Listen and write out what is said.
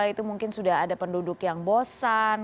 itu mungkin sudah ada penduduk yang bosan